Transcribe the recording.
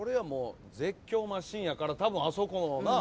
「絶叫マシン」やからたぶんあそこの。